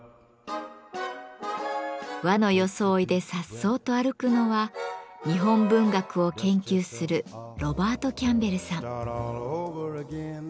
和の装いでさっそうと歩くのは日本文学を研究するロバート・キャンベルさん。